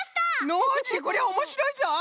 ノージーこりゃおもしろいぞい！